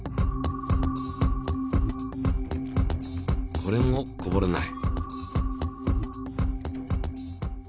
これもこぼれない。